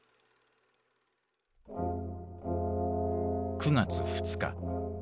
９月２日。